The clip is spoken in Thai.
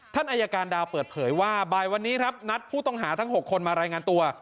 ท่านอายการดาวเปิดเผยว่าบ่ายวันนี้ครับนัดผู้ต้องหาทั้ง๖คนมารายงานตัว